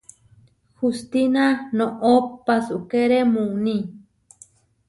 Hustína noʼó pasúkere muní.